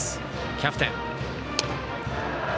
キャプテン。